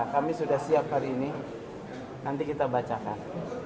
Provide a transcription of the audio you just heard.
kami sudah siap hari ini nanti kita bacakan